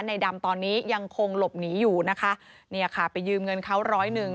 ในดำตอนนี้ยังคงหลบหนีอยู่นะคะเนี่ยค่ะไปยืมเงินเขาร้อยหนึ่ง